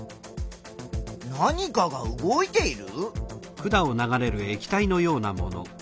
何かが動いている？